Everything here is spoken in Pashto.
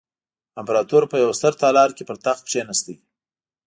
امپراتور په یوه ستر تالار کې پر تخت کېناسته.